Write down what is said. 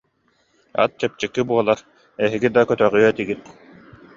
Ат чэпчэки буолар, эһиги да көтөҕүө этигит»